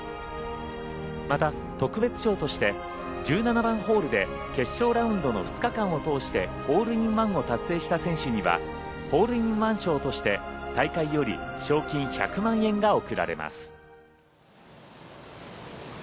また、特別賞として１７番ホールで決勝ラウンドの２日間を通してホールインワンを達成した選手にはホールインワン賞として大会より賞金１００万円が贈られます。